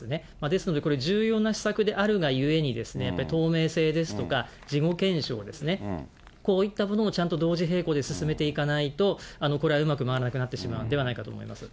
ですのでこれ、重要な施策であるがゆえに、透明性ですとか、事後検証ですね、こういったものをちゃんと同時並行で進めていかないと、これはうまく回らなくなってしまうんではないかと思います。